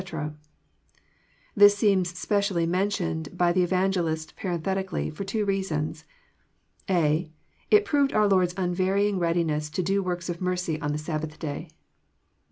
'] This seems specially men tioned by the Evangelist parenthetically, for two reasons. ^ (a) It proved our Lord's unvarying readiness to do works of mercy on the Sabbath day.